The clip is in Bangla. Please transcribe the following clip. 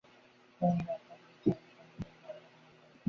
দেয়ালের মধ্যে আটকা পড়িয়া কেবলই তাহার সেই গ্রামের কথা মনে পড়িত।